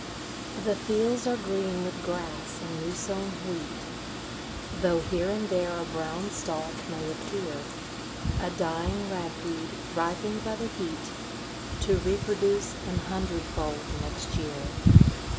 The fields are green with grass and new sown wheat, Tho' here and there a brown stalk may appear, A dying rag weed, ripened by the heat, To reproduce an hundred fold next year.